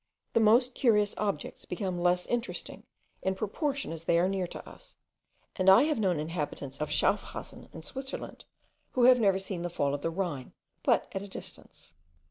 The most curious objects become less interesting, in proportion as they are near to us; and I have known inhabitants of Schaffhausen, in Switzerland, who had never seen the fall of the Rhine but at a distance.